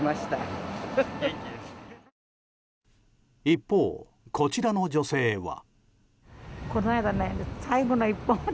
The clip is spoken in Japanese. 一方、こちらの女性は。